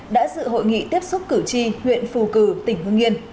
đã dự hội nghị tiếp xúc cử tri huyện phù cử tỉnh hưng yên